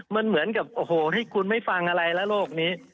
มันเหมือนกับโอ้โหที่คุณไม่ฟังอะไรแล้วโลกนี้